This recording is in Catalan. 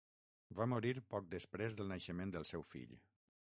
Va morir poc després del naixement del seu fill.